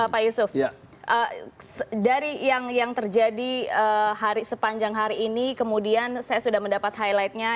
pak yusuf dari yang terjadi sepanjang hari ini kemudian saya sudah mendapat highlightnya